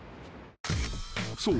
［そう。